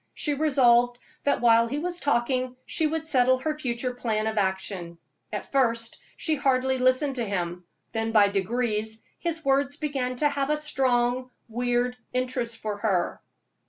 She resolved that while he was talking she would settle her future plan of action. At first she hardly listened to him, then by degrees his words began to have a strong, weird interest for her.